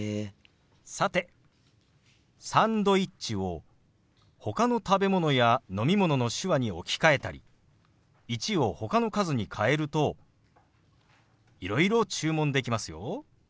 さて「サンドイッチ」をほかの食べ物や飲み物の手話に置き換えたり「１」をほかの数に変えるといろいろ注文できますよ。